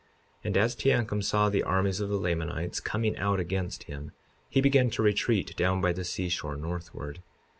And as Teancum saw the armies of the Lamanites coming out against him he began to retreat down by the seashore, northward.